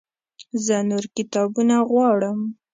زه نور کتابونه غواړم